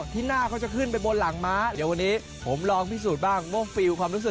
ที่หน้าเขาจะขึ้นไปบนหลังม้า